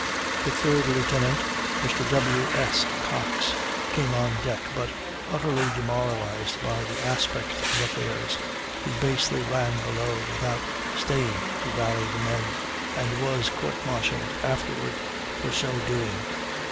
The third lieutenant, Mr. W. S. Cox, came on deck, but, utterly demoralized by the aspect of affairs, he basely ran below without staying to rally the men, and was court martialled afterward for so doing.